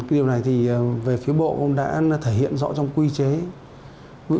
điều này về phía bộ cũng đã thể hiện rõ trong quy chế